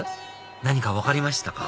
何か分かりましたか？